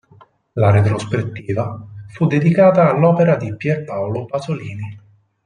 La retrospettiva fu dedicata all'opera di Pier Paolo Pasolini.